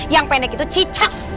yang pendek itu cicak